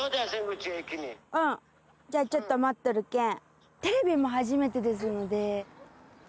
じゃあちょっと待っとるけん。